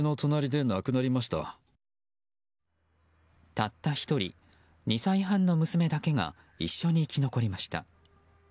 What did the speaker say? たった１人、２歳半の娘だけが一緒に生き残りました。